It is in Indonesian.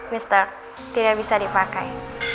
mister tidak bisa dipakai